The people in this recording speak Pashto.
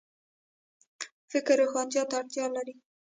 فکر روښانتیا ته اړتیا لري